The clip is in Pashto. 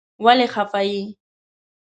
ولی خپه یی ؟